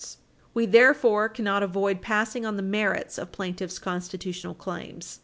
S. 196. We therefore cannot avoid passing on the merits of plaintiff's constitutional claims.